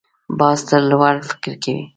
باز تل لوړ فکر کوي